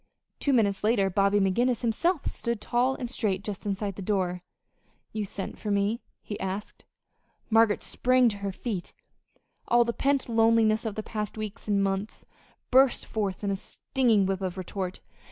Two minutes later Bobby McGinnis himself stood tall and straight just inside the door. "You sent for me?" he asked. Margaret sprang to her feet. All the pent loneliness of the past weeks and months burst forth in a stinging whip of retort.